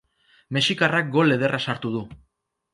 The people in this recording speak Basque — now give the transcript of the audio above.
Mexikarrak gol ederra sartu du.